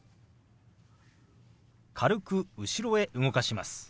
軽く後ろへ動かします。